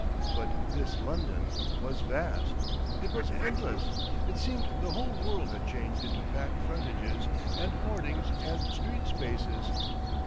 But this London was vast! it was endless! it seemed the whole world had changed into packed frontages and hoardings and street spaces.